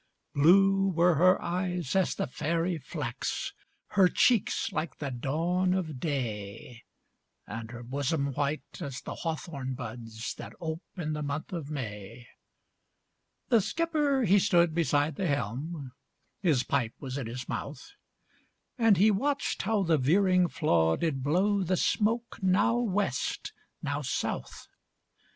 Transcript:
Blue were her eyes as the fairy flax, Her cheeks like the dawn of day, And her bosom white as the hawthorn buds, That ope in the month of May. The skipper he stood beside the helm, His pipe was in his mouth, And he watched how the veering flaw did blow The smoke now West, now South.